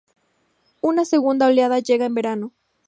Una segunda oleada llega en verano.